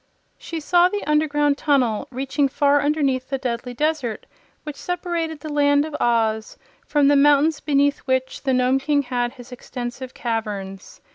She saw the underground tunnel, reaching far underneath the Deadly Desert which separated the Land of Oz from the mountains beneath which the Nome King had his extensive caverns.